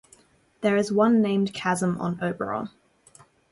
There is one named chasm on Oberon.